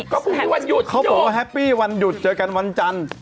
ก็พรุ่งนี้วันหยุดเขาบอกว่าแฮปปี้วันหยุดเจอกันวันจันทร์